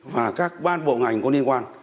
và các ban bộ ngành có liên quan